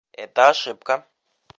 Это ошибка.